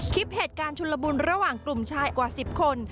คลิปเหตุการณ์ชุนละมุนระหว่างกลุ่มชายกว่า๑๐คน